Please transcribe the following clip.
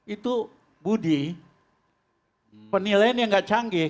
itu budi penilaiannya gak canggih